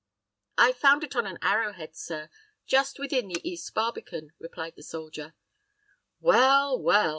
"I found it on an arrow head, sir, just within the east barbican," replied the soldier. "Well, well.